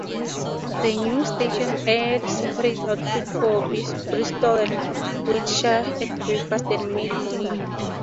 The new station aired separate output for Bristol and Wiltshire at breakfast and mid-morning.